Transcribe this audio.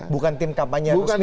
bukan tim kampanye resmi